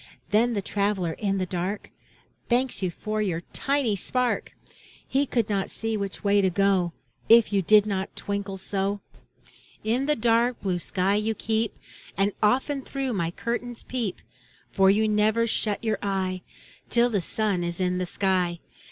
Then the traveler in the dark. Thanks you for your tiny spark ! He could not see which way to go, If you did not twinkle so. In the dark blue sky you keep, And often through my curtains peep. For you never shut your eye Till the sun is in the sky.